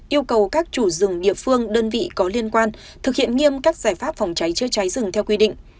bộ rừng địa phương đơn vị có liên quan thực hiện nghiêm các giải pháp phòng cháy trước cháy rừng theo quy định